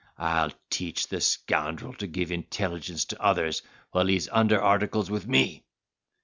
I'll teach the scoundrel to give intelligence to others while he is under articles with me."